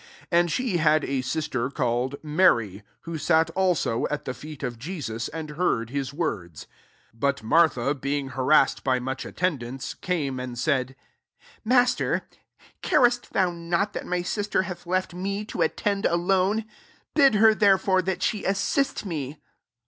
39 And she had a sister called Mary ; who sat also at the feet of Jesus, and heai'd his words. 40 But Martha, being harassed by much attendance, came and said, " Master, cares t thou not that my sister hath left me to attend alone ? Bid her therefore, that she assist me."